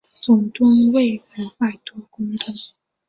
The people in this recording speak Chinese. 总吨位五百多公顿。